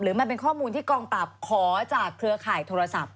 มันเป็นข้อมูลที่กองปราบขอจากเครือข่ายโทรศัพท์